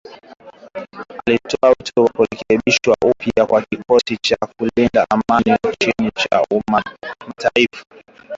alitoa wito wa kurekebishwa upya kwa kikosi cha kulinda amani cha Umoja wa Mataifa